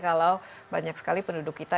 kalau banyak sekali penduduk kita